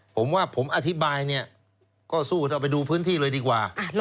ผมว่าผมอธิบายเนี่ยก็สู้ถ้าไปดูพื้นที่เลยดีกว่า